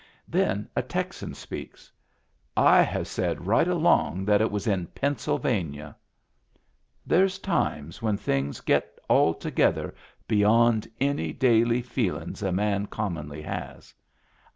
Then a Texan speaks. " I have said right along that it was in Pennsylvania." There's times when things get altogether beyond any daily feelin's a man commonly has.